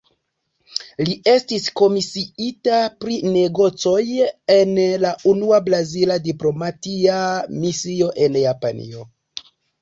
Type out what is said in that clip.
Li estis komisiita pri negocoj en la unua brazila diplomatia misio en Japanio.